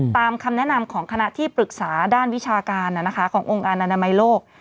คำแนะนำของคณะที่ปรึกษาด้านวิชาการขององค์การอนามัยโลก